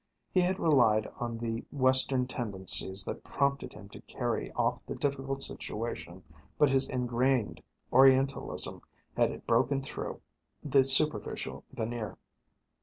He had relied on the Western tendencies that prompted him to carry off the difficult situation, but his ingrained Orientalism had broken through the superficial veneer.